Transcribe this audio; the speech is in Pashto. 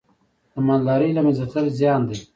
د مالدارۍ له منځه تلل زیان دی.